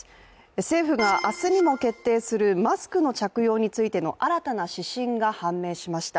政府が明日にも決定するマスクの着用についての新たな指針が判明しました。